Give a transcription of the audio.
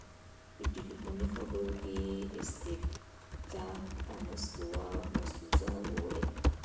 په تلیفوني خبرو کې یې استیضاح ته مستوزا وویل.